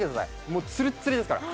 もうツルッツルですから。